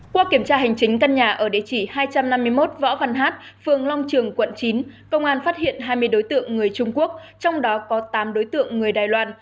qua kiểm tra hành chính căn nhà ở địa chỉ hai trăm năm mươi một võ văn hát phường long trường quận chín công an phát hiện hai mươi đối tượng người trung quốc trong đó có tám đối tượng người đài loan